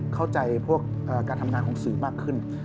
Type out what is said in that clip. เข้าใจพวกการทำงานของสื่อมากขึ้น